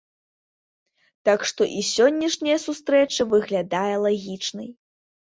Так што і сённяшняя сустрэча выглядае лагічнай.